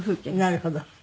なるほど。